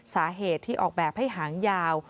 สาเหตุที่ออกแบบให้หางยาว